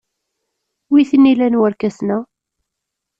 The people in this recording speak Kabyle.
Wi t-nilan warkasen-a?